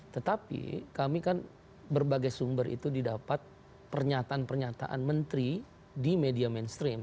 tetapi kami kan berbagai sumber itu didapat pernyataan pernyataan menteri di media mainstream